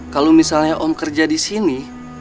kalau misalnya om kerja disini